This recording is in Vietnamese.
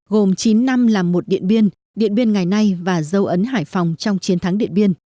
gồm chín năm làm một điện biên điện biên ngày nay và dấu ấn hải phòng trong chiến thắng điện biên